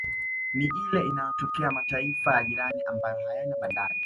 Ni ile inayotokea mataifa ya jirani ambayo hayana bandari